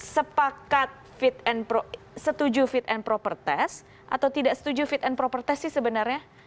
sepakat setuju fit and proper test atau tidak setuju fit and proper test sih sebenarnya